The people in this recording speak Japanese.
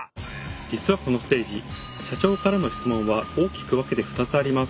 実はこのステージ社長からの質問は大きく分けて２つあります。